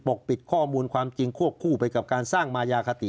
กปิดข้อมูลความจริงควบคู่ไปกับการสร้างมายาคติ